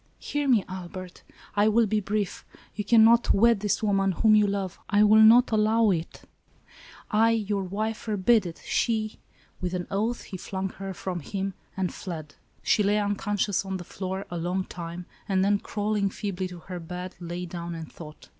" Hear me, Albert ! I will be brief. You can not wed this woman, whom you love. I will not allow it ! I, your wife, forbid it ! She —" With an oath, he flung her from him, and fled. She lay unconscious on the floor, a long time; and, then, crawling feebly to her bed, lay down and thought.